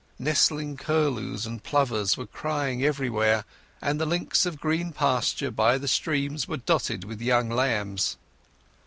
Nesting curlews and plovers were crying everywhere, and the links of green pasture by the streams were dotted with young lambs.